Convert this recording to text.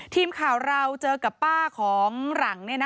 ทีมข่าวเราเจอกับป้าของหลัง